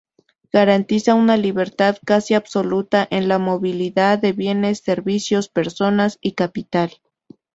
Garantiza una libertad casi absoluta en la movilidad de bienes, servicios, personas y capital.